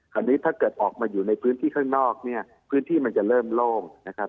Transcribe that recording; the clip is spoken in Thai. ถ้าเกิดออกมาอยู่ในพื้นที่ข้างนอกเนี่ยพื้นที่มันจะเริ่มโล่งนะครับ